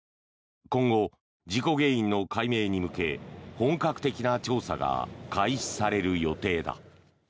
今後、事故原因の解明に向け本格的な調査が開始される予定だ。